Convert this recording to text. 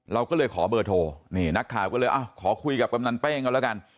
เราก็เลยขอเบอร์โทรนี่นักข่าวก็เลยขอคุยกับกำนันเป้งกันแล้วกัน